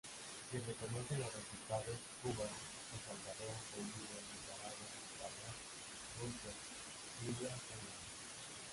Sí reconocen los resultados Cuba, El Salvador, Bolivia, Nicaragua, Ecuador, Rusia, Siria e Irán.